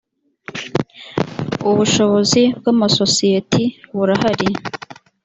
ubushobozi bw amasosiyeti burahari